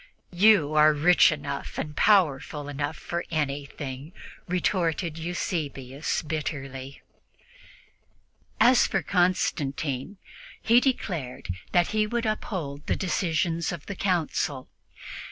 "You are rich enough and powerful enough for anything," retorted Eusebius bitterly. As for Constantine, he declared that he would uphold the decisions of the Council.